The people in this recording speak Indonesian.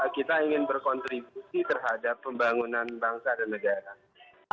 kita ingin berkontribusi terhadap pembangunan bangsa dan negara